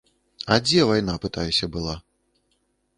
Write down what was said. А дзе вайна, пытаюся, была?